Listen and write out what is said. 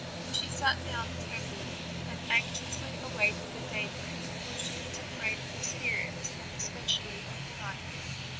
She sat down trembling, and anxiously awaited the daybreak, for she was afraid of the spirits, and especially of the nightmare.